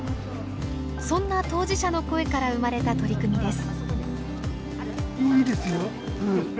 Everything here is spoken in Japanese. そんな当事者の声から生まれた取り組みです。